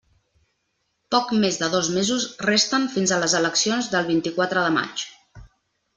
Poc més de dos mesos resten fins a les eleccions del vint-i-quatre de maig.